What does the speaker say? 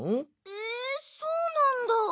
えそうなんだ。